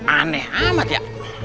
aneh amat ya